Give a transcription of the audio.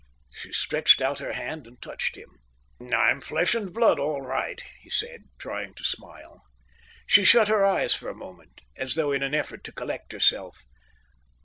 She stretched out her hand and touched him. "I'm flesh and blood all right," he said, trying to smile. She shut her eyes for a moment, as though in an effort to collect herself.